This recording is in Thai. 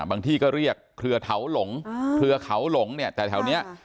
ที่ก็เรียกเครือเถาหลงเครือเขาหลงเนี่ยแต่แถวนี้